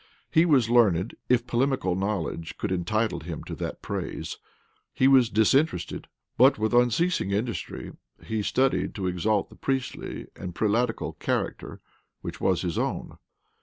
He was learned, if polemical knowledge could entitle him to that praise. He was disinterested; but with unceasing industry he studied to exalt the priestly and prelatical character, which was his own.